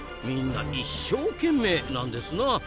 みんな一生懸命なんですな。